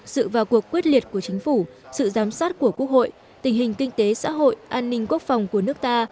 sự vào cuộc quyết liệt của chính phủ sự giám sát của quốc hội tình hình kinh tế xã hội an ninh quốc phòng của nước ta